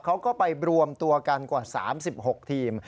เขาก็ไปรวมตัวกันกว่า๓๖ทีม